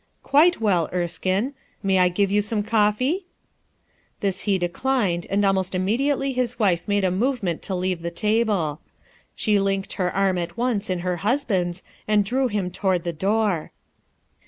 "Quite well, Erskine May I give you some coffee?' 1 This he declined, and almost immedi ately his wife made a movement to leave the table. She linked her arm at once in her hus band's and drew him toward the door.